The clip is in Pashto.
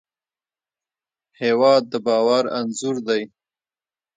هېواد د باور انځور دی.